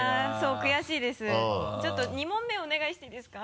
ちょっと２問目お願いしていいですか？